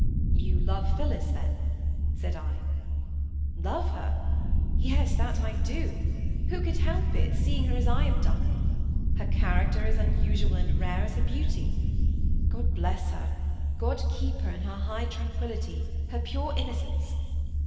"You love Phillis, then?" said I. "Love her! Yes, that I do. Who could help it, seeing her as I have done? Her character as unusual and rare as her beauty! God bless her! God keep her in her high tranquillity, her pure innocence.